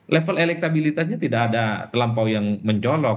level elektabilitasnya tidak ada terlampau yang mencolok